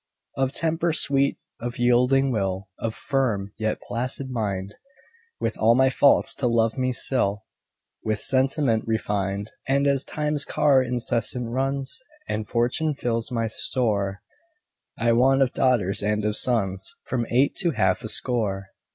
Of temper sweet, of yielding will, Of firm, yet placid mind, With all my faults to love me still With sentiment refined. And as Time's car incessant runs, And Fortune fills my store, I want of daughters and of sons From eight to half a score.